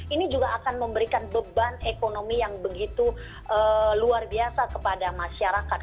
ini juga akan memberikan beban ekonomi yang begitu luar biasa kepada masyarakat